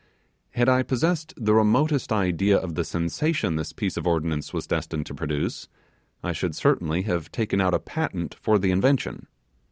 Had I possessed the remotest idea of the sensation this piece of ordnance was destined to produce, I should certainly have taken out a patent for the invention.